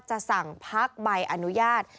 จะสั่งพักใบอนุญาต